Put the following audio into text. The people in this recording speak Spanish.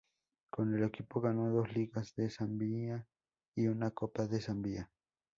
Con el equipo ganó dos ligas de Zambia y una copa de Zambia.